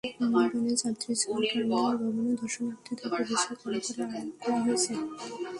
বিমানের যাত্রী ছাড়া টার্মিনাল ভবনে দর্শনার্থীদের প্রবেশে কড়াকড়ি আরোপ করা হয়েছে।